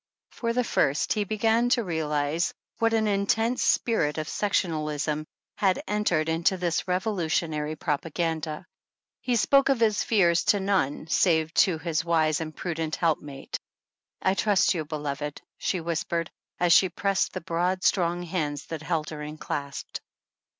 For the first he began to realize what an intense spirit of sectionalism had entered into this " revolu 32 33 tionary propaganda." He spoke of his fears to none save to his wise and prudent helpmate. I trust 3^ou, beloved," she whispered, as she pressed the broad, strong hands that held her en clasped.